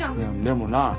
でもな。